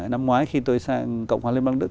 năm ngoái khi tôi sang cộng hòa liên bang đức